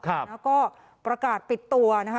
แล้วก็ประกาศปิดตัวนะคะ